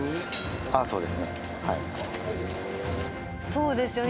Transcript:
そうですよね。